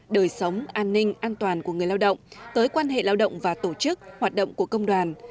đời sống an ninh an toàn của người lao động tới quan hệ lao động và tổ chức hoạt động của công đoàn